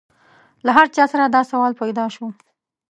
له هر چا سره دا سوال پیدا شو.